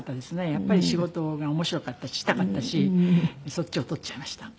やっぱり仕事が面白かったししたかったしそっちを取っちゃいました。